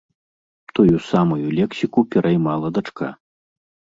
Тую самую лексіку пераймала дачка.